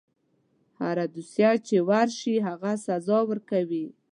هره دوسیه چې ورشي هغه سزا ورکوي.